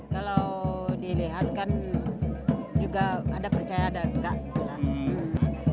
kalau dilihat kan juga ada percaya ada enggak lah